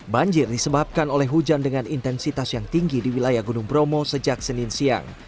banjir disebabkan oleh hujan dengan intensitas yang tinggi di wilayah gunung bromo sejak senin siang